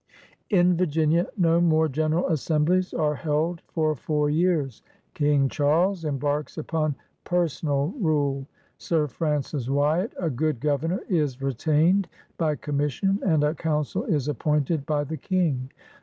In Virginia no more General Assemblies are held for four years. King Charles embarks upon " personal rule. Sir Francis Wyatt, a good Gover nor, is retained by commission and a Council is appointed by the King.